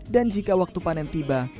dan jika waktu panen tiba